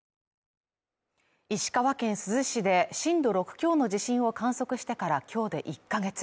石川県珠洲市で震度６強の地震を観測してから今日で１か月。